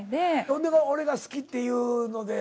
ほんで俺が好きっていうので。